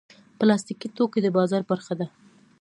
پلاستيکي توکي د بازار برخه ده.